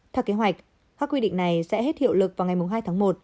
theo kế hoạch các quy định này sẽ hết hiệu lực vào ngày hai tháng một